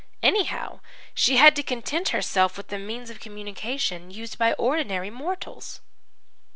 Anyhow, she had to content herself with the means of communication used by ordinary mortals.